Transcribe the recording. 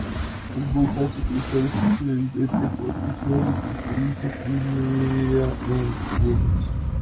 Es muy fácil de usar, especialmente por usuarios sin experiencia previa en Linux.